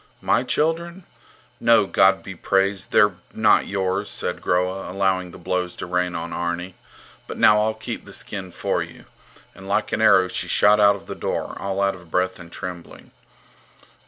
My children? No, God be praised, they're not yours, said Groa, allowing the blows to rain on Arni. But now I'll keep the skin for you. And like an arrow she shot out of the door, all out of breath and trembling.